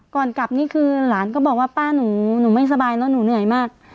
ก่อนกลับนี่คือหลานก็บอกว่าป้าหนูไม่สบายแล้วหนูเหนื่อยมาก